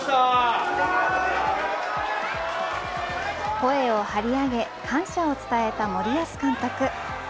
声を張り上げ感謝を伝えた森保監督。